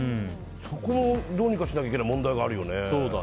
そこをどうにかしないといけないという問題があるよね。